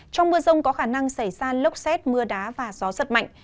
trong mưa rông có khả năng xảy ra lốc xét mưa đá và gió giật mạnh